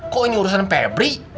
kok ini urusan febri